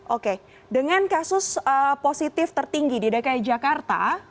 oke dengan kasus positif tertinggi di dki jakarta